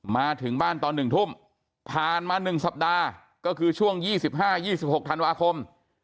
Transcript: มาถึงบ้านตอน๑ทุ่มผ่านมา๑สัปดาห์ก็คือช่วง๒๕๒๖ธันวาคม